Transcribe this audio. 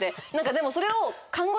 でもそれを。